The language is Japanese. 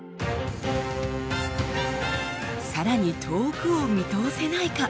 さらに遠くを見通せないか？